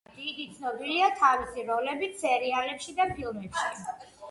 იგი ცნობილია თავისი როლებით სერიალებში და ფილმებში.